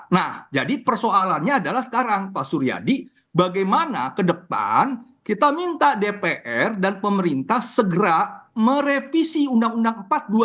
nah jadi persoalannya adalah sekarang pak suryadi bagaimana ke depan kita minta dpr dan pemerintah segera merevisi undang undang empat dua ribu